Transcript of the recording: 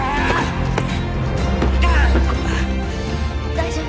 大丈夫？